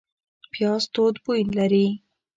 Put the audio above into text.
پیاز توند بوی لري